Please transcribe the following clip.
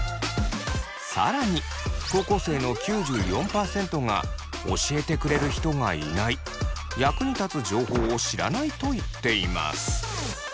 更に高校生の９４％が「教えてくれる人がいない」「役に立つ情報を知らない」と言っています。